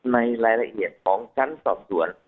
ในรายละเอียดลองการสอบส่วน